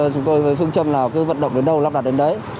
chúng tôi với phương châm nào cứ vận động đến đâu lắp đặt đến đấy